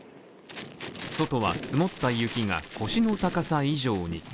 外は積もった雪が腰の高さ以上に。